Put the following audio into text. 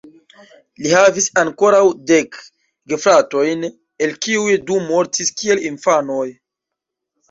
Li havis ankoraŭ dek gefratojn, el kiuj du mortis kiel infanoj.